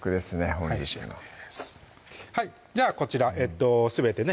本日のではこちらすべてね